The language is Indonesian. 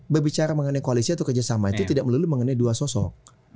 berbicara mengenai koalisi atau kerjasama itu tidak melulu mengenai dua sosok